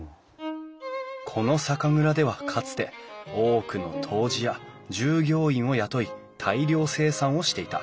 この酒蔵ではかつて多くの杜氏や従業員を雇い大量生産をしていた。